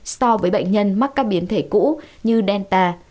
so với bệnh nhân mắc các biến thể cũ như delta